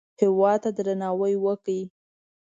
هېواد ته درناوی وکړئ